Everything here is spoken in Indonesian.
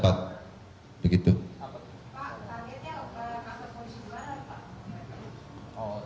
pak targetnya apa